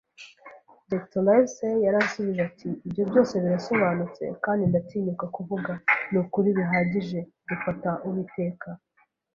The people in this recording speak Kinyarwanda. Dr. Livesey yarashubije ati: "Ibyo byose birasobanutse, kandi, ndatinyuka kuvuga, ni ukuri bihagije". “Dufata Uwiteka